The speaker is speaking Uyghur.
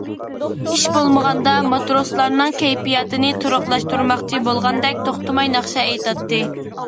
ئىش بولمىغاندا ماتروسلارنىڭ كەيپىياتىنى تۇراقلاشتۇرماقچى بولغاندەك توختىماي ناخشا ئېيتاتتى.